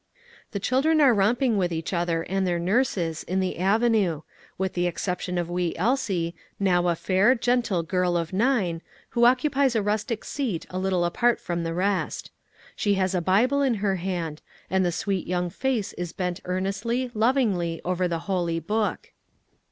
The children are romping with each other and their nurses, in the avenue; with the exception of wee Elsie, now a fair, gentle girl of nine, who occupies a rustic seat a little apart from the rest. She has a Bible in her hand, and the sweet young face is bent earnestly, lovingly, over the holy book.